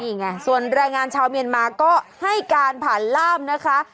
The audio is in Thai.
นี่ไงส่วนแรงงานชาวเมียนมาก็ให้การผ่านล่ามนะคะ